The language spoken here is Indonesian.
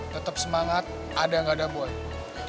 tetap semangat ada gak ada buat